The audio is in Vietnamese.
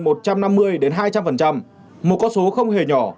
một con số không hề nhỏ